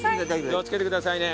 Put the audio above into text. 気を付けてくださいね。